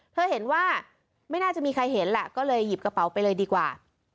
เธอเห็นว่าไม่น่าจะมีใครเห็นแหละก็เลยหยิบกระเป๋าไปเลยดีกว่า